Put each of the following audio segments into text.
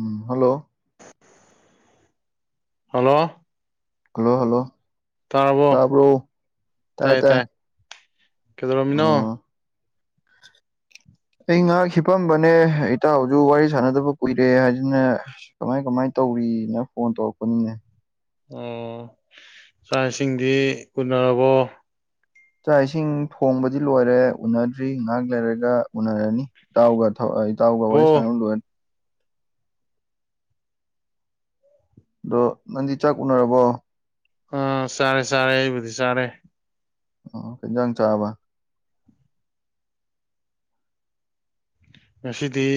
ꯎꯝ hello hello hello hello ꯇꯥꯔꯕꯣ ꯇꯥꯕ꯭ꯔꯣ ꯇꯥꯏ ꯇꯥꯏ ꯀꯩꯗꯧꯔꯝꯃꯤꯅꯣ ꯑꯣ ꯑꯩ ꯉꯥꯏꯍꯥꯛ ꯁꯤꯄꯝꯕꯅꯦ ꯏꯇ ꯍꯧꯁꯨ ꯋꯥꯔꯤ ꯁꯥꯟꯅꯗꯕ ꯀꯨꯏꯔꯦ ꯍꯥꯏꯗꯅ ꯀꯃꯥꯏ ꯀꯃꯥꯏ ꯇꯧꯔꯤꯅ ꯐꯣꯟ ꯇꯧꯔꯛꯄꯅꯤꯅꯦ ꯆꯥꯏꯁꯤꯡꯗꯤ ꯎꯨꯅꯔꯕꯣ ꯆꯥꯛ ꯏꯁꯤꯡ ꯊꯣꯡꯕꯗꯤ ꯂꯣꯏꯔꯦ ꯎꯅꯗ꯭ꯔꯤ ꯉꯥꯏꯍꯥꯛ ꯂꯩꯔꯒ ꯎꯅꯔꯅꯤ ꯏꯇꯥꯎꯒ ꯏꯇꯥꯎꯒ ꯋꯥꯔꯤ ꯑꯣ ꯁꯥꯟꯅꯕꯅ ꯂꯣꯏꯔꯒ ꯑꯗꯣ ꯅꯪꯗꯤ ꯆꯥꯛ ꯎꯅꯔꯕꯣ ꯑꯥ ꯆꯥꯔꯦ ꯆꯥꯔꯦ ꯑꯩꯕꯨꯗꯤ ꯆꯥꯔꯦ ꯑꯣ ꯀꯩ ꯌꯦꯟꯁꯥꯡ ꯆꯔꯕ ꯉꯁꯤꯗꯤ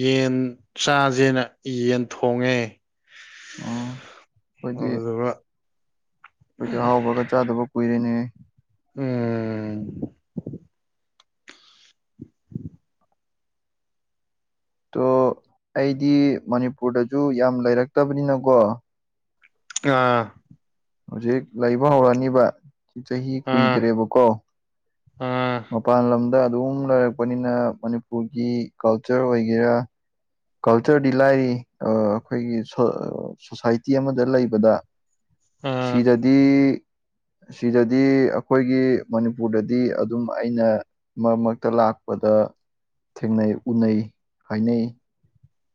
ꯌꯦꯟ ꯆꯥꯥꯁꯦꯅ ꯌꯦꯟ ꯊꯣꯡꯉꯦ ꯑꯣ ꯑꯩꯈꯣꯏꯗꯤ ꯑꯗꯨꯗꯨꯒ ꯑꯩꯈꯣꯏꯗꯤ ꯑꯍꯥꯎꯕꯒ ꯆꯥꯗꯕ ꯀꯨꯏꯔꯤꯅꯦ ꯎꯝ ꯇꯣ ꯑꯩꯗꯤ ꯃꯅꯤꯄꯨꯔꯗꯁꯨ ꯌꯥꯝ ꯂꯩꯔꯛꯇꯕꯅꯤꯅꯀꯣ ꯑꯥ ꯍꯧꯖꯤꯛ ꯂꯩꯕ ꯍꯧꯔꯛꯅꯤꯕ ꯆꯍꯤ ꯑꯥ ꯀꯨꯏꯗ꯭ꯔꯦꯕꯀꯣ ꯑꯥ ꯃꯄꯥꯟ ꯂꯝꯗ ꯑꯗꯨꯝ ꯂꯩꯔꯛꯄꯅꯤꯅ ꯃꯅꯤꯄꯨꯔꯒꯤ ꯀꯜꯆꯔ ꯑꯣꯏꯒꯦꯔꯥ ꯀꯜꯆꯔꯗꯤ ꯂꯥꯏꯔꯤ ꯑꯩꯈꯣꯏꯒꯤ ꯁꯣꯁꯥꯏꯇꯤ ꯑꯃꯗ ꯂꯩꯕꯗ ꯑꯥ ꯁꯤꯗꯗꯤ ꯁꯤꯗꯗꯤ ꯑꯩꯈꯣꯏꯒꯤ ꯃꯅꯤꯄꯨꯔꯗꯗꯤ ꯑꯗꯨꯝ ꯑꯩꯅ ꯃꯔꯛ ꯃꯔꯛꯇ ꯂꯥꯛꯄꯗ ꯊꯦꯡꯅꯩ ꯎꯅꯩ ꯍꯥꯏꯅꯩ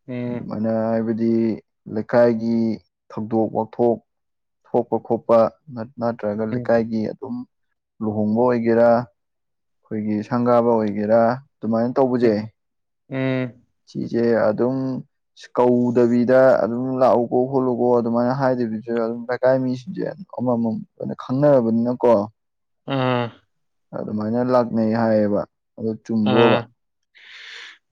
ꯎꯝ ꯑꯗꯨꯃꯥꯏꯅ ꯍꯥꯏꯕꯗꯤ ꯂꯩꯀꯥꯏꯒꯤ ꯊꯧꯗꯣꯛ ꯋꯥꯊꯣꯛ ꯊꯣꯛꯄ ꯈꯣꯠꯄ ꯅꯠꯇ꯭ꯔꯒ ꯎꯝ ꯂꯩꯀꯥꯏꯒꯤ ꯑꯗꯨꯝ ꯂꯨꯍꯣꯡꯕ ꯑꯣꯏꯒꯦꯔꯥ ꯑꯩꯈꯣꯏꯒꯤ ꯁꯪꯒꯥꯕ ꯑꯣꯏꯒꯦꯔꯥ ꯑꯗꯨꯃꯥꯏꯅ ꯎꯝ ꯁꯤꯆꯦ ꯑꯗꯨꯝ ꯀꯧꯗꯕꯤꯗ ꯑꯗꯨꯝ ꯂꯥꯛꯎꯀꯣ ꯈꯣꯠꯂꯨꯀꯣ ꯑꯗꯨꯃꯥꯏꯅ ꯍꯥꯏꯗꯕꯤꯗ ꯑꯗꯨꯝ ꯂꯩꯀꯥꯏ ꯃꯤꯁꯤꯡꯁꯦ ꯑꯃꯃꯝ ꯑꯣꯏꯅ ꯈꯪꯅꯔꯕꯅꯤꯅꯀꯣ ꯎꯥꯝ ꯑꯗꯨꯃꯥꯏꯅ ꯂꯥꯛꯅꯩ ꯍꯥꯏꯌꯦꯕ ꯑꯗꯨ ꯆꯨꯝꯕ꯭ꯔꯣꯕ ꯑꯥ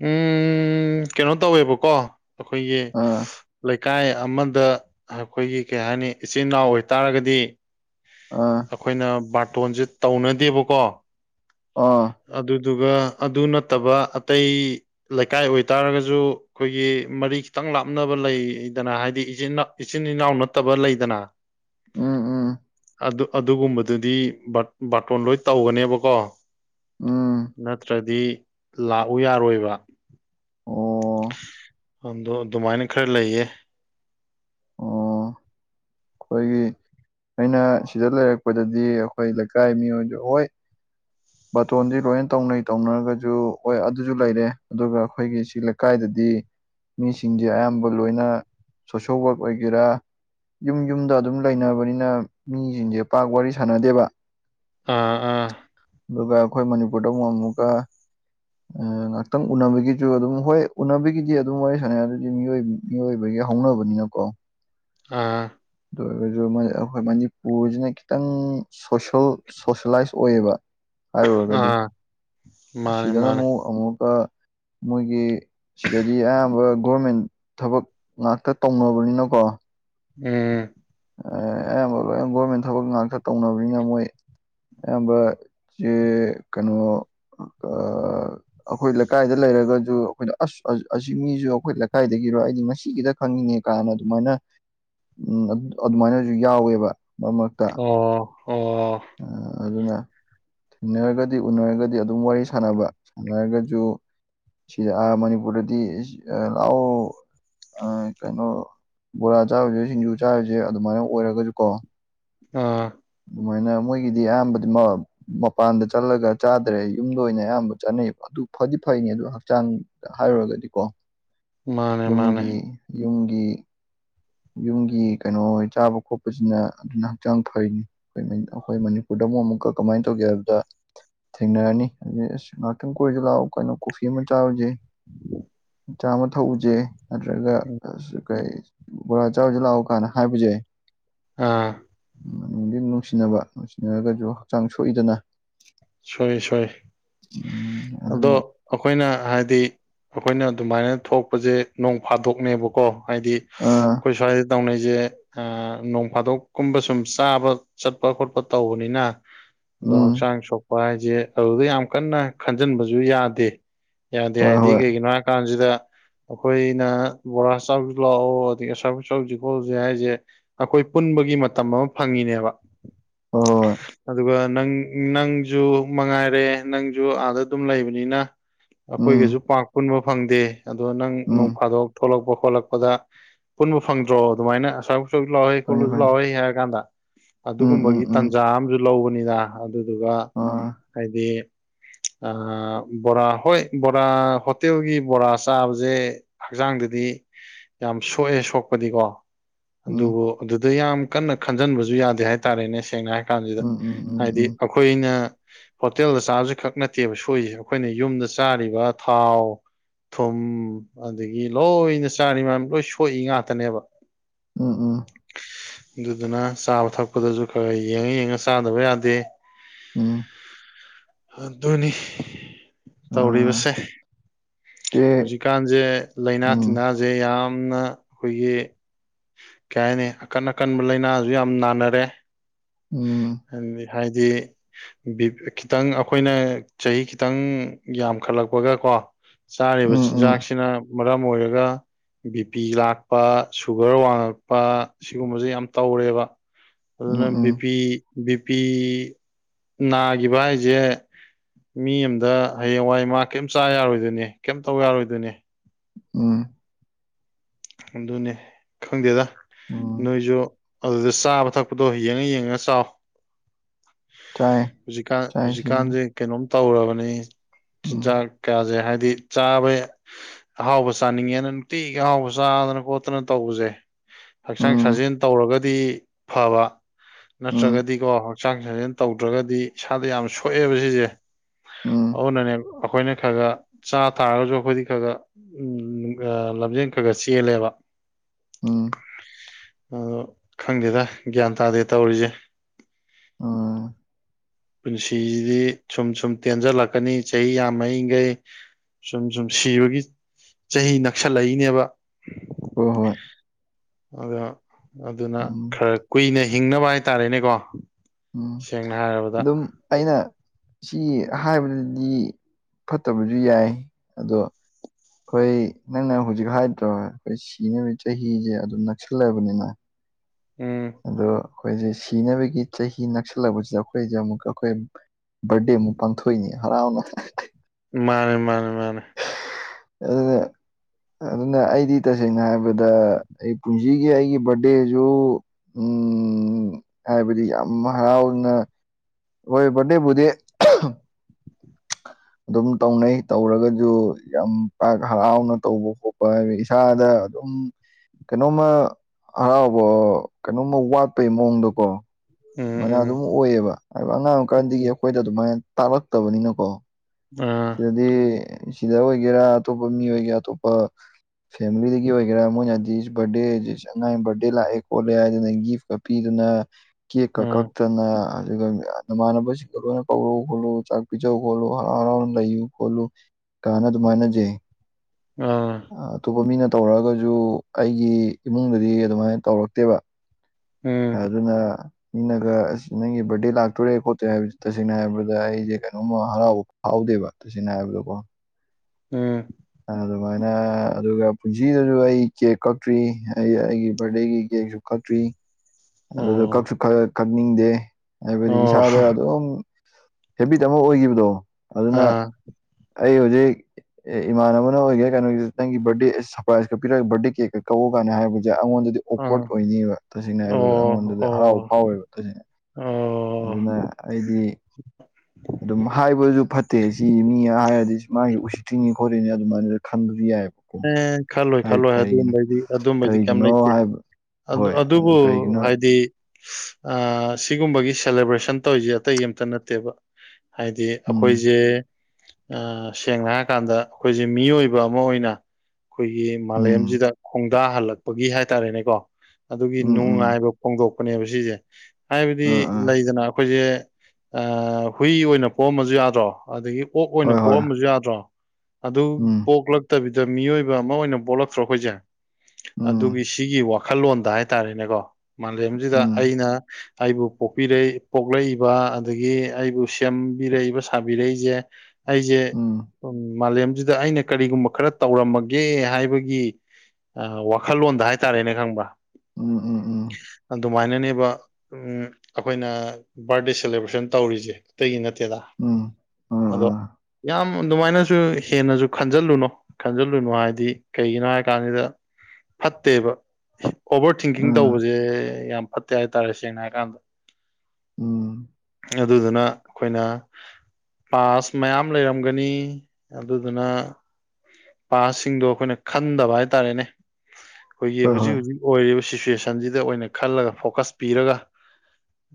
ꯎꯝ ꯀꯩꯅꯣ ꯇꯧꯋꯦꯕꯀꯣ ꯑꯩꯈꯣꯏꯒꯤ ꯑꯥ ꯂꯩꯀꯥꯏ ꯑꯃꯗ ꯑꯩꯈꯣꯏꯒꯤ ꯀꯩ ꯍꯥꯏꯅꯤ ꯏꯆꯤꯟ ꯏꯅꯥꯎ ꯑꯣꯏꯇꯥꯔꯒꯗꯤ ꯑꯝ ꯑꯩꯈꯣꯏꯅ ꯕꯥꯔꯇꯣꯟꯁꯦ ꯇꯧꯅꯗꯦꯕꯀꯣ ꯑꯥ ꯑꯗꯨꯗꯨꯒ ꯑꯗꯨ ꯅꯠꯇꯕ ꯑꯇꯩ ꯂꯩꯀꯥꯏ ꯑꯣꯏꯇꯥꯔꯒꯁꯨ ꯑꯩꯈꯣꯏꯒꯤ ꯃꯔꯤ ꯈꯤꯇꯪ ꯂꯥꯞꯅꯕ ꯂꯩꯗꯅ ꯍꯥꯏꯗꯤ ꯏꯆꯤꯟꯅꯥ ꯏꯆꯤꯟ ꯏꯅꯥꯎ ꯅꯠꯇꯕ ꯂꯩꯗꯅ ꯎꯝ ꯎꯝ ꯑꯗꯨ ꯑꯗꯨꯒꯨꯝꯕꯗꯨꯗꯤ ꯕꯥꯔꯇꯣꯟ ꯂꯣꯏ ꯇꯧꯒꯅꯦꯕꯀꯣ ꯎꯝ ꯅꯠꯇ꯭ꯔꯗꯤ ꯂꯥꯛꯎ ꯌꯥꯔꯣꯏꯕ ꯑꯣ ꯑꯗꯣ ꯑꯗꯨꯃꯥꯏꯅ ꯈꯔ ꯂꯩꯌꯦ ꯑꯣ ꯑꯩꯈꯣꯏꯒꯤ ꯑꯩꯅ ꯁꯤꯗ ꯂꯩꯔꯛꯄꯗꯗꯤ ꯑꯩꯈꯣꯏ ꯂꯩꯀꯥꯏ ꯃꯤꯑꯣꯏ ꯂꯣꯏ [inaudible] ꯕꯇꯣꯟꯗꯤ ꯂꯣꯏꯅ ꯇꯧꯅꯩ ꯇꯧꯅꯔꯒꯁꯨ ꯑꯣꯏ ꯑꯗꯨꯁꯨ ꯂꯩꯔꯦ ꯑꯗꯨꯒ ꯑꯩꯈꯣꯏꯒꯤ ꯁꯤ ꯂꯩꯀꯥꯏꯗꯗꯤ ꯃꯤꯁꯤꯡꯁꯦ ꯑꯌꯥꯝꯕ ꯂꯣꯏꯅ ꯁꯣꯁꯦꯜ ꯋꯔꯛ ꯑꯣꯏꯒꯦꯔꯥ ꯌꯨꯝ ꯌꯨꯝꯗ ꯑꯗꯨꯝ ꯂꯩꯅꯕꯅꯤꯅ ꯃꯤꯁꯤꯡꯁꯦ ꯄꯥꯛ ꯋꯥꯔꯤ ꯁꯥꯟꯅꯗꯦꯕ ꯑꯥ ꯑꯥ ꯑꯗꯨꯒ ꯑꯩꯈꯣꯏ ꯃꯅꯤꯄꯨꯔꯗ ꯑꯃꯨꯛ ꯑꯃꯨꯛꯀ ꯎꯝ ꯉꯥꯛꯇꯪ ꯎꯅꯕꯒꯤꯁꯨ ꯑꯗꯨꯝ ꯍꯣꯏ ꯎꯅꯕꯒꯤꯗꯤ ꯑꯗꯨꯝ ꯋꯥꯔꯤ ꯁꯥꯟꯅꯩ ꯑꯗꯨꯗꯤ ꯃꯤꯑꯣꯏ ꯃꯤꯑꯣꯏꯕꯒꯤ ꯍꯧꯅꯕꯅꯤꯅꯀꯣ ꯑ ꯑꯗꯨ ꯑꯣꯏꯔꯁꯨ ꯑꯩꯈꯣꯏ ꯃꯅꯤꯄꯨꯔꯁꯤꯅ ꯈꯤꯇꯪ ꯁꯣꯁꯦꯜ ꯁꯣꯁꯦꯂꯥꯏꯁ ꯑꯣꯏꯌꯦꯕ ꯍꯥꯏꯔꯨꯔꯒꯗꯤ ꯑꯥ ꯃꯥꯅꯦ ꯑꯁꯤꯗꯅ ꯃꯥꯅꯦ ꯑꯃꯨꯛ ꯑꯃꯨꯛꯀ ꯃꯣꯏꯒꯤ ꯁꯤꯗꯗꯤ ꯑꯌꯥꯝꯕ ꯒꯣꯔꯃꯦꯟ ꯊꯕꯛ ꯉꯥꯛꯇ ꯇꯧꯅꯕꯅꯤꯅꯀꯣ ꯎꯝ ꯑꯌꯥꯝꯕ ꯂꯣꯏꯅ ꯒꯣꯔꯃꯦꯟ ꯊꯕꯛ ꯉꯥꯛꯇ ꯇꯧꯅꯕꯅꯤꯅ ꯃꯣꯏ ꯑꯌꯥꯝꯕ ꯁꯦ ꯀꯩꯅꯣ ꯑꯥ ꯑꯩꯈꯣꯏ ꯂꯩꯀꯥꯏꯗ ꯂꯩꯔꯒꯁꯨ ꯑꯩꯈꯣꯏ ꯑꯁ ꯑꯁꯤ ꯃꯤꯁꯨ ꯑꯩꯈꯣꯏ ꯂꯩꯀꯥꯏꯗꯒꯤꯔꯣ ꯑꯩꯗꯤ ꯉꯁꯤꯒꯤꯗ ꯈꯪꯅꯤꯡꯉꯦ ꯀꯥꯏꯅ ꯑꯗꯨꯃꯥꯏꯅ ꯎ ꯑꯗꯨꯃꯥꯏꯅꯁꯨ ꯌꯥꯎꯋꯦꯕ ꯃꯔꯛ ꯃꯔꯛꯇ ꯑꯣ ꯍꯣ ꯑꯣ ꯑꯗꯨꯅ ꯎꯅꯔꯒꯗꯤ ꯎꯅꯔꯒꯗꯤ ꯑꯗꯨꯝ ꯋꯥꯔꯤ ꯁꯥꯟꯅꯕ ꯁꯥꯟꯅꯔꯒꯁꯨ ꯁꯤ ꯑꯥ ꯃꯅꯤꯄꯨꯔꯗꯗꯤ ꯂꯛꯑꯣ ꯀꯩꯅꯣ ꯕꯣꯔꯥ ꯆꯥꯔꯨꯁꯦ ꯁꯤꯡꯖꯨ ꯆꯥꯔꯨꯁꯦ ꯑꯗꯨꯃꯥꯏꯅ ꯑꯣꯏꯔꯒꯁꯨ ꯀꯣ ꯑꯥ ꯑꯗꯨꯃꯥꯏꯅ ꯃꯣꯏꯒꯤꯗꯤ ꯑꯌꯥꯝꯕ ꯑꯗꯨꯃꯛ ꯃꯄꯥꯟꯗ ꯆꯠꯂꯒ ꯆꯥꯗ꯭ꯔꯦ ꯌꯨꯝꯗ ꯑꯣꯏꯅ ꯑꯌꯥꯝꯕ ꯆꯠꯅꯩꯕ ꯑꯗꯨ ꯐꯗꯤ ꯐꯩꯅꯤ ꯑꯗꯨ ꯍꯛꯆꯥꯡ ꯍꯥꯏꯔꯨꯔꯒꯗꯤꯀꯣ ꯃꯥꯅꯦ ꯃꯥꯅꯦ ꯌꯨꯝꯒꯤ ꯌꯨꯝꯒꯤ ꯌꯨꯝꯒꯤ ꯀꯩꯅꯣ ꯑꯣꯏ ꯆꯥꯕ ꯈꯣꯠꯄꯁꯤꯅ ꯑꯗꯨꯅ ꯍꯛꯆꯥꯡ ꯐꯔꯤꯅꯤ ꯑꯩꯈꯣꯏ ꯃꯅꯤꯄꯨꯔꯗ ꯑꯃꯨꯛ ꯑꯃꯨꯛꯀ ꯀꯃꯥꯏꯅ ꯇꯧꯒꯦ ꯍꯥꯏꯕꯗ ꯊꯦꯡꯅꯔꯅꯤ ꯑ ꯑꯁ ꯉꯥꯛꯇꯪ ꯀꯣꯏꯗ ꯂꯥꯛꯑꯣ ꯀꯩꯅꯣ ꯀꯣꯐꯤ ꯑꯃ ꯆꯥꯔꯨꯁꯤ ꯆꯥ ꯑꯃ ꯊꯥꯛꯎꯁꯦ ꯅꯠꯇ꯭ꯔꯒ ꯀꯩ ꯕꯣꯔꯥ ꯆꯥꯔꯨꯁꯦ ꯂꯥꯛꯑꯣ ꯀꯥꯏꯅ ꯍꯥꯏꯕꯁꯦ ꯑꯥ ꯅꯨꯡꯗꯤ ꯅꯨꯡꯁꯤꯅꯕ ꯅꯨꯡꯁꯤꯅꯔꯒꯁꯨ ꯍꯛꯆꯥꯡ ꯁꯣꯛꯏꯗꯅ ꯁꯣꯏ ꯁꯣꯏ ꯑꯗꯣ ꯑꯗꯨꯅ ꯑꯩꯈꯣꯏꯅ ꯍꯥꯏꯗꯤ ꯑꯩꯈꯣꯏꯅ ꯑꯗꯨꯃꯥꯏꯅ ꯊꯣꯛꯄꯁꯦ ꯅꯣꯡ ꯐꯥꯗꯣꯛꯅꯦꯕꯀꯣ ꯍꯥꯏꯗꯤ ꯑ ꯑꯩꯈꯣꯏ ꯁ꯭ꯋꯥꯏꯗ ꯇꯧꯅꯩꯁꯦ ꯑ ꯅꯣꯡ ꯐꯥꯗꯣꯛꯀꯨꯝꯕ ꯁꯨꯝ ꯆꯥꯕ ꯆꯠꯄ ꯈꯣꯠꯄ ꯇꯧꯕꯅꯤꯅ ꯑꯗꯣ ꯎꯝ ꯍꯛꯆꯥꯡ ꯁꯣꯛꯄ ꯍꯥꯏꯁꯦ ꯑꯗꯨꯗ ꯌꯥꯝ ꯀꯟꯅ ꯈꯟꯖꯤꯟꯕꯁꯨ ꯌꯥꯗꯦ ꯌꯥꯗꯦ ꯍꯣꯏ ꯍꯥꯏꯔꯗꯤ ꯍꯣꯏ ꯀꯩꯒꯤꯅꯣ ꯍꯥꯏꯔ ꯀꯥꯟꯁꯤꯗ ꯑꯩꯈꯣꯏꯅ ꯕꯣꯔꯥ ꯆꯥꯎꯁꯤ ꯂꯥꯛꯑꯣ ꯑꯗꯒꯤ ꯑꯁꯥꯋꯥꯏ ꯆꯠꯂꯨꯁꯤ ꯈꯣꯠꯂꯩꯖꯤ ꯍꯥꯏꯁꯦ ꯑꯩꯈꯣꯏ ꯄꯨꯟꯕꯒꯤ ꯃꯇꯝ ꯑꯃ ꯐꯪꯉꯤꯅꯦꯕ ꯍꯣꯏ ꯍꯣꯏ ꯑꯗꯨꯒ ꯅꯪ ꯅꯪ ꯨꯁꯨ ꯃꯉꯥꯏꯔꯦ ꯅꯪꯁꯨ ꯑꯥꯗ ꯑꯗꯨꯝ ꯂꯩꯕꯅꯤꯅ ꯎꯝ ꯑꯩꯈꯣꯏꯒꯁꯨ ꯄꯥꯛ ꯄꯨꯟꯕ ꯐꯪꯗꯦ ꯑꯗꯣ ꯅꯪ ꯎꯝ ꯅꯣꯡ ꯐꯥꯗꯣꯛ ꯊꯣꯛꯂꯛꯄ ꯈꯣꯠꯂꯛꯄꯗ ꯄꯨꯟꯕ ꯐꯪꯗ꯭ꯔꯣ ꯑꯗꯨꯃꯥꯏꯅ [unintelligible] ꯆꯧꯖꯤ ꯂꯥꯎꯍꯦ ꯐꯪꯉꯦ ꯈꯣꯠꯂꯨꯖꯤ ꯐꯪꯉꯦ ꯂꯥꯎꯍꯦ ꯍꯥꯏꯔ ꯀꯥꯟꯗ ꯎꯝ ꯎꯝ ꯑꯗꯨꯒꯨꯝꯕꯒꯤ ꯎꯝ ꯇꯥꯟꯖꯥ ꯑꯝꯖꯨ ꯂꯧꯕꯅꯤꯅ ꯑꯗꯨꯗꯨꯒ ꯑ ꯍꯥꯏꯗꯤ ꯑꯥ ꯕꯣꯔꯥ ꯍꯣꯏ ꯕꯣꯔꯥ ꯍꯣꯇꯦꯜꯒꯤ ꯕꯣꯔꯥ ꯆꯥꯕꯖꯦ ꯍꯛꯆꯥꯡꯗꯗꯤ ꯌꯥꯝ ꯁꯣꯛꯑꯦ ꯁꯣꯛꯄꯗꯤꯀꯣ ꯎꯝ ꯑꯗꯨꯕꯨ ꯑꯗꯨꯗ ꯌꯥꯝ ꯀꯟꯅ ꯈꯟꯖꯟꯕꯖꯨ ꯌꯥꯗꯦ ꯍꯥꯏꯇꯥꯔꯦꯅꯦ ꯁꯦꯡꯅ ꯍꯥꯏ ꯀꯥꯟꯖꯤꯗ ꯎꯝ ꯎꯝ ꯎꯝ ꯍꯥꯏꯗꯤ ꯎꯝ ꯑꯩꯈꯣꯏꯅ ꯍꯣꯇꯦꯜꯗ ꯆꯥꯕꯖꯦ ꯈꯛ ꯅꯠꯇꯦꯕ ꯁꯣꯛꯏꯖꯦ ꯑꯩꯈꯣꯏꯅ ꯌꯨꯝꯗ ꯆꯥꯔꯤꯕ ꯊꯥꯎ ꯊꯨꯝ ꯑꯗꯒꯤ ꯂꯣꯏꯅ ꯆꯥꯔꯤ ꯃꯌꯥꯝ ꯂꯣꯏ ꯁꯣꯛꯏ ꯉꯥꯛꯇꯅꯦꯕ ꯎꯝ ꯎꯝ ꯑꯗꯨꯗꯨꯅ ꯆꯥꯕ ꯊꯛꯄꯗꯖꯨ ꯈꯔ ꯌꯦꯡꯉ ꯌꯦꯡꯉ ꯆꯥꯗꯕ ꯌꯥꯗꯦ ꯎꯝ ꯑꯗꯨꯅꯤ ꯇꯧꯔꯤꯕꯁꯦ ꯇꯦꯛ ꯀꯥꯟꯖꯦ ꯂꯥꯏꯅꯥ ꯇꯤꯟꯅꯥꯖꯦ ꯌꯥꯝꯅ ꯑꯩꯈꯣꯏꯒꯤ ꯀꯩꯍꯥꯏꯅꯤ ꯑꯀꯟ ꯑꯀꯟꯕ ꯂꯩꯅꯖꯨ ꯌꯥꯝ ꯅꯥꯅꯔꯦ ꯎꯝ ꯍꯟꯗꯤ ꯍꯥꯏꯗꯤ ꯕꯤ ꯈꯤꯇꯪ ꯑꯩꯈꯣꯏꯅ ꯆꯍꯤ ꯈꯤꯇꯪ ꯌꯥꯝꯈꯠꯂꯛꯄꯒ ꯀꯣ ꯎꯝ ꯆꯥꯔꯤꯕ ꯎꯝ ꯆꯤꯟꯖꯥꯛꯁꯤꯅ ꯃꯔꯝ ꯑꯣꯏꯔꯒ ꯕꯤ ꯄꯤ ꯂꯥꯛꯄ ꯁꯨꯒꯔ ꯋꯥꯡꯉꯛꯄ ꯁꯤꯒꯨꯝꯕꯖꯦ ꯌꯥꯝ ꯇꯧꯔꯦꯕ ꯑꯗꯨꯅ ꯎꯝ ꯎꯝ ꯕꯤꯄꯤ ꯕꯤꯄꯤ ꯅꯥꯒꯤꯕ ꯍꯥꯏꯖꯦ ꯃꯤ ꯑꯝꯗ ꯍꯌꯦꯡꯋꯥꯏ ꯃꯥ ꯀꯩꯝ ꯆꯥ ꯌꯥꯔꯣꯏꯗꯣꯏꯅꯤ ꯀꯩꯝ ꯇꯧ ꯌꯥꯔꯣꯏꯗꯣꯏꯅꯤ ꯎꯝ ꯑꯗꯨꯅꯦ ꯈꯪꯗꯦꯗꯥ ꯎꯝ ꯅꯣꯏꯖꯨ ꯑꯗꯨꯗ ꯆꯥꯕ ꯊꯛꯄꯗꯣ ꯌꯦꯡꯉ ꯌꯦꯡꯉ ꯆꯥꯎ ꯆꯥꯏ ꯍꯧꯖꯤꯛꯀꯥꯟ ꯆꯥꯏ ꯁꯤ ꯎꯝ ꯍꯧꯖꯤꯛꯀꯥꯟꯖꯦ ꯀꯩꯅꯣꯝ ꯇꯧꯔꯕꯅꯤ ꯆꯤꯟꯖꯥꯛ ꯀꯌꯥꯖꯤ ꯍꯥꯏꯗꯤ ꯆꯥꯕꯤ ꯑꯍꯥꯎꯕ ꯆꯥꯅꯤꯡꯉꯦꯅ ꯅꯨꯡꯇꯤꯒꯤ ꯑꯍꯥꯎꯕ ꯆꯥꯗꯅ ꯈꯣꯠꯇꯅ ꯇꯧꯕꯖꯦ ꯍꯛꯆꯥꯡ ꯎꯝ ꯁꯥꯖꯦꯟ ꯇꯧꯔꯒꯗꯤ ꯐꯕ ꯎꯝ ꯅꯠꯇ꯭ꯔꯒꯗꯤꯀꯣ ꯍꯛꯆꯥꯡ ꯁꯥꯖꯦꯟ ꯇꯧꯗ꯭ꯔꯒꯗꯤ ꯏꯁꯥꯗ ꯌꯥꯝ ꯁꯣꯛꯑꯦꯕ ꯁꯤꯖꯦ ꯎꯝ ꯑꯗꯨꯅꯅꯦ ꯑꯩꯈꯣꯏꯅ ꯈꯔ ꯈꯔ ꯆꯥ ꯇꯥꯔꯒꯖꯨ ꯑꯩꯈꯣꯏꯗꯤ ꯈꯔ ꯈꯔ ꯎꯝ ꯑꯥ ꯂꯝꯖꯦꯟ ꯈꯔ ꯈꯔ ꯆꯦꯜꯂꯦꯕ ꯎꯝ ꯑ ꯈꯪꯗꯦꯗ ꯒ꯭ꯌꯥꯟ ꯇꯥꯗꯦ ꯇꯧꯔꯤꯖꯦ ꯎꯝ ꯄꯨꯟꯁꯤꯖꯤꯗꯤ ꯁꯨꯝ ꯁꯨꯝ ꯇꯦꯟꯖꯜꯂꯛꯀꯅꯤ ꯆꯍꯤ ꯌꯥꯝꯃꯛꯏꯒꯩ ꯁꯨꯝ ꯁꯨꯝ ꯁꯤꯕꯒꯤ ꯆꯍꯤ ꯅꯛꯁꯜꯂꯛꯏꯅꯦꯕ ꯍꯣꯏ ꯍꯣꯏ ꯑꯗꯣ ꯑꯗꯨꯅ ꯎꯝ ꯈꯔ ꯀꯨꯏꯅ ꯍꯤꯡꯅꯕ ꯍꯥꯏꯇꯥꯔꯦꯅꯦꯀꯣ ꯎꯝ ꯁꯦꯡꯅ ꯍꯥꯏꯔꯕꯗ ꯑꯗꯨꯝ ꯑꯩꯅ ꯁꯤ ꯍꯥꯏꯕꯗꯗꯤ ꯐꯠꯇꯕꯖꯨ ꯌꯥꯏ ꯑꯗꯣ ꯑꯩꯈꯣꯏ ꯅꯪꯅ ꯍꯧꯖꯤꯛ ꯍꯥꯏꯗ꯭ꯔꯣ ꯁꯤꯅꯕ ꯆꯍꯤꯖꯦ ꯑꯗꯨꯝ ꯅꯛꯁꯤꯜꯂꯛꯑꯕꯅꯤꯅ ꯎꯝ ꯑꯗꯣ ꯑꯩꯈꯣꯏꯖꯦ ꯁꯤꯅꯕꯒꯤ ꯆꯍꯤ ꯅꯛꯁꯜꯂꯛꯄꯁꯤꯗ ꯑꯩꯈꯣꯏꯖꯦ ꯑꯃꯨꯛꯀ ꯑꯩꯈꯣꯏ ꯕꯥꯔꯠꯗꯦ ꯑꯃꯨꯛ ꯄꯥꯡꯊꯣꯛꯏꯅꯤ ꯍꯔꯥꯎꯅ ꯃꯥꯅꯦ ꯃꯥꯅꯦ ꯃꯥꯅꯦ ꯑꯗꯨ [unintelligible] ꯑꯗꯨꯅ ꯑꯩꯗꯤ ꯇꯁꯦꯡꯅ ꯍꯥꯏꯕꯗ ꯑꯩ ꯄꯨꯟꯁꯤꯒꯤ ꯑꯩꯒꯤ ꯕꯥꯔꯠꯗꯦꯖꯨ ꯎꯝ ꯍꯥꯏꯕꯗꯤ ꯌꯥꯝ ꯍꯔꯥꯎꯅ ꯍꯣꯏ ꯕꯥꯔꯠꯗꯦꯕꯨꯗꯤ ꯑꯗꯨꯝ ꯇꯧꯅꯩ ꯇꯧꯔꯒꯖꯨ ꯌꯥꯝ ꯄꯥꯛ ꯍꯔꯥꯎꯅ ꯇꯧꯕ ꯈꯣꯠꯄ ꯍꯥꯏꯕ ꯏꯁꯥꯗ ꯑꯗꯨꯝ, ꯀꯩꯅꯣꯝꯃ ꯍꯔꯥꯎꯕ ꯀꯩꯅꯣꯝꯃ ꯋꯥꯠꯄꯒꯤ ꯃꯑꯣꯡꯗꯀꯣ꯫ ꯎꯝ ꯎꯝ ꯑꯣꯏꯌꯦꯕ ꯍꯥꯏꯕ ꯑꯉꯥꯡꯀꯥꯟꯗꯒꯤ ꯑꯩꯈꯣꯏꯗ ꯑꯗꯨꯃꯥꯏꯅ ꯇꯥꯛꯂꯛꯇꯕꯅꯤꯅꯀꯣ, ꯑ ꯁꯤꯗꯗꯤ ꯁꯤꯗ ꯑꯣꯏꯒꯦꯔꯥ ꯑꯇꯣꯞꯄ ꯃꯤ ꯑꯣꯏꯒꯦꯔꯥ ꯑꯇꯣꯞꯄ, ꯐꯦꯃꯤꯂꯤꯗꯒꯤ ꯑꯣꯏꯒꯦꯔꯥ ꯃꯣꯏꯅꯗꯤ ꯕꯥꯔꯗꯦꯖꯤꯁ ꯑꯉꯥꯡꯒꯤ ꯕꯥꯔꯗꯦ ꯂꯥꯛꯑꯦ ꯈꯣꯠꯂꯦ ꯍꯥꯏꯗꯅ ꯒꯤꯐ ꯀ ꯄꯤꯗꯨꯅ ꯀꯦꯛꯀ ꯎꯝ ꯀꯛꯇꯅ ꯑꯗꯨꯒ ꯅꯃꯥꯟꯅꯕꯁꯤꯡꯒ ꯂꯣꯏꯅ ꯀꯧꯔꯨ ꯈꯣꯠꯂꯨ ꯆꯥꯛ ꯄꯤꯖꯧ ꯈꯣꯠꯂꯨ ꯍꯔꯥꯎ ꯍꯔꯥꯎ, ꯂꯩꯨ ꯀꯣꯂꯨ ꯀꯅ ꯑꯗꯨꯃꯥꯏꯅꯖꯦ [unintelligible] ꯑꯥ ꯑꯥ ꯑꯇꯣꯞꯄ ꯃꯤꯅ ꯇꯧꯔꯛꯑꯒꯁꯨ ꯑꯩꯒꯤ ꯏꯃꯨꯡꯗꯗꯤ ꯑꯗꯨꯃꯥꯏꯅ ꯇꯧꯔꯛꯇꯦꯕ꯫ ꯎꯝ ꯑꯗꯨꯅ ꯃꯤꯅꯒ ꯑꯁ ꯅꯪꯒꯤ ꯕꯥꯔꯗꯦ ꯂꯥꯛꯇꯣꯔꯦ ꯈꯣꯠꯇꯣꯔꯦ ꯍꯥꯏꯕꯁꯤ ꯇꯁꯦꯡꯅ ꯍꯥꯏꯕꯗ ꯑꯩꯁꯦ ꯀꯩꯅꯣꯝꯃ ꯍꯔꯥꯎꯕ ꯐꯥꯎꯗꯦꯕ꯫ ꯇꯁꯦꯡꯅ ꯍꯥꯏꯕꯗꯥꯀꯣ꯫ ꯎꯝ ꯑꯗꯨꯃꯥꯏꯅ ꯑꯗꯨꯒ ꯄꯨꯟꯁꯤꯗꯁꯨ ꯑꯩ ꯀꯦꯛ ꯀꯛꯇ꯭ꯔꯤ ꯑꯩ ꯑꯩꯒꯤ ꯕꯥꯔꯗꯦꯒꯤ ꯀꯦꯛꯁꯨ, ꯀꯛꯇꯔꯤ ꯑꯗꯨꯁꯨ ꯑꯣ ꯀꯛꯁꯨ ꯀꯛꯅꯤꯡꯗꯦ ꯍꯥꯏꯕꯗꯤ ꯑꯣ ꯏꯁꯥꯗ ꯑꯗꯨꯝ, ꯍꯦꯕꯤꯠ ꯑꯃ ꯑꯣꯏꯈꯤꯕꯗꯣ ꯑꯗꯨꯅ ꯑꯥ ꯑꯩ ꯍꯧꯖꯤꯛ, ꯑꯦ ꯏꯃꯥꯟꯅꯕꯅ ꯑꯣꯏꯒꯦꯔꯥ ꯀꯩꯅꯣꯒꯤꯗ ꯅꯪꯒꯤ ꯕꯥꯔꯗꯦ ꯁꯔꯄ꯭ꯔꯥꯏꯁꯀ ꯄꯤꯔꯒ ꯕꯥꯔꯗꯦ ꯀꯦꯛꯀ ꯀꯛꯎ ꯀꯥꯟꯅ ꯍꯥꯏꯕꯁꯦ ꯑꯩꯉꯣꯟꯗꯗꯤ, ꯑꯥ ꯑꯣꯞꯄꯔꯗ ꯑꯣꯏꯅꯤꯕ ꯇꯁꯦꯡꯅ ꯍꯥꯏꯕꯗ ꯑꯣ ꯑꯩꯉꯣꯟꯗꯗꯤ ꯍꯔꯥꯎꯕ ꯑꯣ ꯐꯥꯎꯔꯣꯏꯕ ꯇꯁꯦꯡꯅ꯫ ꯑꯣ ꯑꯗꯨꯅ ꯑꯩꯗꯤ, ꯑꯗꯨꯝ ꯍꯥꯏꯕꯁꯨ ꯐꯠꯇꯦ ꯁꯤ ꯃꯤ ꯍꯥꯏꯔꯗꯤ ꯃꯥꯒꯤ ꯎꯁꯤꯠꯇ꯭ꯔꯤꯅꯤ ꯈꯣꯠꯇꯔꯤꯅꯤ ꯑꯗꯨꯃꯥꯏꯅꯗ ꯈꯟꯕꯁꯨ ꯌꯥꯏꯕ꯫ ꯑꯦ, ꯈꯜꯂꯣꯏ ꯈꯜꯂꯣꯏ ꯑꯗꯨꯝꯕꯗꯤ ꯑꯗꯨꯝꯕꯗꯤ ꯀꯦꯝ ꯀꯔꯤꯒꯤꯅꯣ ꯂꯩꯇꯦ꯫ ꯍꯥꯏꯕ ꯑꯗꯨ ꯍꯣꯏ ꯑꯗꯨꯕꯨ ꯀꯔꯤꯒꯤꯅꯣ ꯍꯥꯏꯗꯤ, ꯑ ꯁꯤꯒꯨꯝꯕꯒꯤ ꯁꯦꯂꯦꯕ꯭ꯔꯦꯁꯟ ꯇꯧꯔꯤꯁꯦ ꯑꯇꯩ ꯑꯝꯇ ꯅꯠꯇꯦꯕ, ꯍꯥꯏꯗꯤ ꯎꯝ ꯑꯩꯈꯣꯏꯁꯦ, ꯁꯦꯡꯅ ꯍꯥꯏꯔꯀꯥꯟꯗ ꯑꯩꯈꯣꯏꯁꯦ ꯃꯤꯑꯣꯏꯕ ꯑꯃ ꯑꯣꯏꯅ ꯑꯩꯈꯣꯏꯒꯤ ꯎꯝ ꯃꯥꯂꯦꯝꯁꯤꯗ ꯈꯣꯡꯗꯥ ꯍꯜꯂꯛꯄꯒꯤ ꯍꯥꯏꯇꯥꯔꯦꯅꯦꯀꯣ ꯑꯗꯨꯒꯤ ꯎꯝ ꯎꯝ ꯅꯨꯡꯉꯥꯏꯕ ꯍꯣꯡꯗꯣꯛꯄꯅꯦꯕ ꯁꯤꯁꯦ ꯍꯥꯏꯕꯗꯤ ꯑꯥ ꯑꯥ ꯂꯩꯗꯅ ꯑꯩꯈꯣꯏꯁꯦ ꯑꯥ ꯍꯨꯏ ꯑꯣꯏꯅ ꯄꯣꯛꯑꯝꯕꯁꯨ ꯌꯥꯗ꯭ꯔꯣ, ꯑꯗꯒꯤ ꯑꯣꯛ ꯑꯣꯏꯅ ꯍꯣꯏ ꯍꯣꯏ ꯄꯣꯛꯑꯝꯕꯁꯨ ꯌꯥꯗ꯭ꯔꯣ? ꯑꯗꯨ ꯎꯝ ꯄꯣꯛꯂꯛꯇꯕꯤꯗ ꯃꯤꯑꯣꯏꯕ ꯑꯃ ꯑꯣꯏꯅ ꯄꯣꯛꯂꯛꯇ꯭ꯔꯣ ꯑꯩꯈꯣꯏꯁꯦ꯫ ꯎꯝ ꯑꯗꯨꯒꯤ ꯁꯤꯒꯤ ꯋꯥꯈꯜꯂꯣꯟꯗ ꯍꯥꯏꯇꯥꯔꯦꯅꯦꯀꯣ ꯃꯥꯂꯦꯝꯁꯤꯗ ꯎꯝ ꯑꯩꯅ, ꯑꯩꯕꯨ ꯄꯣꯛꯄꯤꯔꯛꯏ ꯄꯣꯛꯂꯛꯏꯕ ꯑꯗꯒꯤ ꯑꯩꯕꯨ ꯁꯦꯝꯕꯤꯔꯛꯏꯕ ꯁꯥꯕꯤꯔꯛꯏꯁꯦ, ꯑꯩꯁꯦ ꯎꯝ ꯃꯥꯂꯦꯝꯁꯤꯗ ꯑꯩꯅ ꯀꯔꯤꯒꯨꯝꯕ ꯈꯔ ꯇꯧꯔꯝꯃꯒꯦ ꯍꯥꯏꯕꯒꯤ ꯋꯥꯈꯜꯂꯣꯟꯗ ꯍꯥꯏꯇꯥꯔꯦꯅꯦ ꯈꯪꯕ꯭ꯔꯥ꯫ ꯎꯝ ꯎꯝ ꯎꯝ ꯑꯗꯨꯃꯥꯏꯅꯅꯦꯕ ꯎꯝ ꯑꯩꯈꯣꯏꯅ ꯕꯥꯔꯗꯦ ꯁꯦꯂꯦꯕ꯭ꯔꯦꯁꯟ ꯇꯧꯔꯤꯁꯦ ꯑꯇꯩꯒꯤ ꯅꯠꯇꯦ ꯎꯝ ꯑꯥ ꯑꯗꯣ ꯑꯥ ꯌꯥꯝ ꯑꯗꯨꯃꯥꯏꯅꯁꯨ ꯍꯦꯟꯅꯁꯨ ꯈꯟꯖꯜꯂꯨꯅꯨ꯫ ꯈꯟꯖꯤꯜꯂꯨꯅꯨ ꯍꯥꯏꯗꯤ ꯀꯩꯒꯤꯅꯣ ꯍꯥꯏ ꯀꯥꯟꯁꯤꯗ ꯐꯠꯇꯦꯕ꯫ ꯑꯣꯚꯔ ꯊꯤꯡꯀꯤꯡ ꯑꯥ ꯇꯧꯕꯁꯦ ꯌꯥꯝ ꯐꯠꯇꯦ ꯍꯥꯏꯇꯥꯔꯦ ꯁꯦꯡꯅ ꯍꯥꯏ ꯀꯥꯟꯗ꯫ ꯎꯝ ꯑꯗꯨꯗꯨꯅ ꯑꯩꯈꯣꯏꯅ, ꯄꯥꯁ ꯃꯌꯥꯝ ꯂꯩꯔꯝꯒꯅꯤ ꯑꯗꯨꯗꯨꯅ ꯄꯥꯁꯁꯤꯡꯗꯣ ꯑꯩꯈꯣꯏꯅ ꯈꯟꯗꯕ ꯍꯥꯏꯇꯥꯔꯦꯅꯦ ꯑꯩꯈꯣꯏꯒꯤ ꯍꯣꯏ ꯍꯧꯖꯤꯛ ꯍꯣꯏ ꯍꯧꯖꯤꯛ, ꯑꯣꯏꯔꯤꯕ ꯁꯤꯆꯨꯋꯦꯁꯟꯁꯤꯗ ꯑꯣꯏꯅ ꯈꯜꯂꯒ ꯐꯣꯀꯁ ꯄꯤꯔꯒ꯫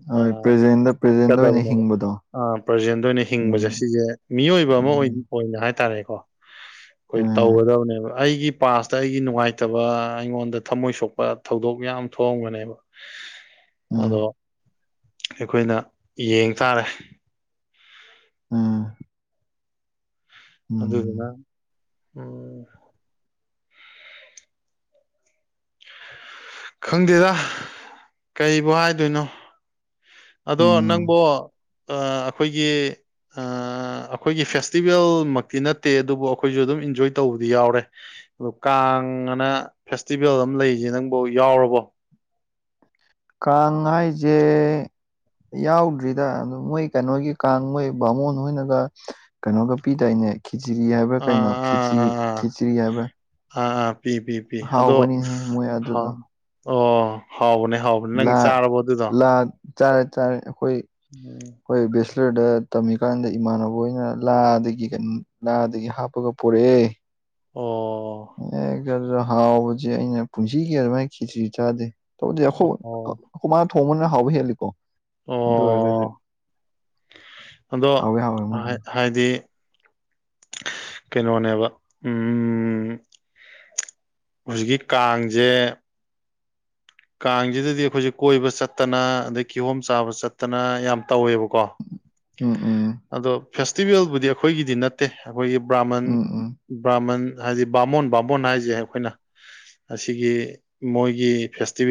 ꯍꯣꯏ ꯄ꯭ꯔꯖꯦꯟꯗ ꯄ꯭ꯔꯖꯦꯟꯗ ꯑꯣꯏꯅ ꯍꯤꯡꯕꯗꯣ ꯑ ꯄ꯭ꯔꯖꯦꯟꯗ ꯑꯣꯏꯅ ꯍꯤꯡꯕꯁꯦ ꯎꯝ ꯁꯤꯁꯦ ꯃꯤꯑꯣꯏꯕ ꯑꯃ ꯎꯝ ꯑꯣꯏꯅ ꯍꯥꯏꯇꯥꯔꯦꯀꯣ ꯈꯣꯏ ꯑꯥ ꯇꯧꯒꯗꯕꯅꯦꯕ ꯑꯩꯒꯤ ꯄꯥꯁꯇ ꯑꯩꯒꯤ ꯅꯨꯡꯉꯥꯏꯇꯕ ꯑꯩꯉꯣꯟꯗ ꯊꯃꯣꯏ ꯁꯣꯛꯄ ꯊꯧꯗꯣꯛ ꯌꯥꯝ ꯊꯣꯛꯑꯝꯒꯕꯅꯦꯕ꯫ ꯑꯥ ꯑꯗꯣ ꯑꯩꯈꯣꯏꯅ ꯌꯦꯡ ꯇꯥꯔꯦ꯫ ꯎꯝ ꯑꯗꯨꯗꯨꯅ ꯎꯝ ꯎꯝ ꯈꯪꯗꯦꯗ ꯀꯩꯕꯨ ꯍꯥꯏꯗꯣꯏꯅꯣ ꯑꯗꯣ ꯅꯪꯕꯨ ꯎꯝ ꯑ ꯑꯩꯈꯣꯏꯒꯤ ꯑ ꯑꯩꯈꯣꯏꯒꯤ ꯐꯦꯁꯇꯤꯚꯦꯜ ꯃꯛꯇꯤ ꯅꯠꯇꯦ ꯑꯗꯨꯕꯨ ꯑꯩꯈꯣꯏꯁꯨ ꯑꯗꯨꯝ ꯏꯟꯖꯣꯏ ꯇꯧꯕꯗꯤ ꯌꯥꯎꯔꯦ ꯑꯗꯨ ꯀꯥꯡ ꯑꯅ ꯐꯦꯁꯇꯤꯚꯦꯜ ꯑꯃ ꯂꯩꯔꯤꯁꯦ ꯅꯪꯕꯣ ꯌꯥꯎꯔꯕꯣ ꯀꯥꯡ ꯍꯥꯏꯖꯦ ꯌꯥꯎꯗ꯭ꯔꯤꯗ ꯑꯗꯨ ꯃꯣꯏ ꯀꯩꯅꯣꯒꯤ ꯀꯥꯡ ꯃꯣꯏ ꯕꯥꯃꯣꯟ ꯍꯣꯏꯅꯒ ꯀꯩꯅꯣꯒ ꯄꯤꯗꯥꯏꯅꯦ ꯈꯤꯆꯔꯤ ꯍꯥꯏꯕ꯭ꯔꯥ ꯑꯥ ꯀꯩꯅꯣ ꯈꯦꯆꯔꯤ ꯑꯥ ꯑꯥ ꯑꯥ ꯈꯦꯆ꯭ꯔꯤ ꯍꯥꯏꯕ꯭ꯔꯥ ꯑꯥ ꯑꯥ ꯄꯤ ꯄꯤ ꯄꯤ ꯑꯗꯣ ꯍꯥꯎꯕꯅꯤꯍꯦ ꯃꯣꯏ ꯑꯗꯨꯗꯣ ꯑꯣ ꯍꯥꯎꯕꯅꯦ ꯍꯥꯎꯕ ꯂꯥ ꯂꯥ ꯆꯥꯔꯦ ꯆꯥꯔꯦ ꯑꯩꯈꯣꯏ ꯎꯝ ꯍꯣꯏ ꯕꯦꯁꯂꯔꯗ ꯇꯝꯃꯤꯀꯥꯟꯗ ꯏꯃꯥꯟꯅꯕ ꯍꯣꯏꯅ ꯂꯥꯗꯒꯤ ꯀ ꯂꯥꯗꯒꯤ ꯍꯥꯞꯄꯒ ꯄꯣꯔꯛꯑꯦ ꯑꯣ ꯑꯦꯛꯗ ꯑꯗꯨꯗ ꯍꯥꯎꯕꯁꯦ ꯑꯩꯅ ꯄꯨꯟꯁꯤꯒꯤ ꯑꯗꯨꯃꯥꯏꯅ ꯈꯤꯆ꯭ꯔꯤ ꯆꯥꯗꯦ ꯇꯧꯕꯨꯗꯤ ꯑꯈꯣ ꯑꯣ ꯑꯩꯈꯣꯏ ꯃꯥꯅ ꯊꯣꯡꯕꯅ ꯍꯥꯎꯕ ꯍꯦꯜꯂꯤꯀꯣ ꯑꯗꯨ ꯑꯣ ꯑꯣꯏꯔꯒꯁꯨ ꯑꯗꯣ ꯍꯥꯎꯋꯦ ꯍꯥꯎꯋꯦ ꯃꯣꯏ [unintelligible] ꯍꯥꯏꯗꯤ ꯀꯩꯅꯣꯅꯦꯕ ꯎꯝ ꯍꯧꯖꯤꯛꯀꯤ ꯀꯥꯡꯖꯦ ꯀꯥꯡꯁꯤꯗꯗꯤ ꯑꯩꯈꯣꯏꯁꯦ ꯀꯣꯏꯕ ꯆꯠꯇꯅ ꯑꯗꯩ ꯀꯤꯍꯣꯝ ꯆꯥꯕ ꯆꯠꯇꯅ ꯌꯥꯝ ꯇꯧꯋꯦꯕꯀꯣ ꯎꯝ ꯎꯝ ꯑꯗꯣ ꯐꯦꯁꯇꯤꯚꯦꯜꯕꯨꯗꯤ ꯑꯩꯈꯣꯏꯒꯤꯗꯤ ꯅꯠꯇꯦ ꯑꯩꯈꯣꯏꯒꯤ ꯕ꯭ꯔꯥꯃꯟ ꯎꯝ ꯎꯝ ꯕ꯭ꯔꯥꯍꯃꯟ ꯍꯥꯏꯗꯤ ꯕꯥꯃꯣꯟ ꯕꯥꯃꯣꯟ ꯍꯥꯏꯁꯦ ꯑꯩꯈꯣꯏꯅ ꯑꯁꯤꯒꯤ ꯃꯣꯏꯒꯤ ꯐꯦꯁꯇꯤꯚꯦꯜ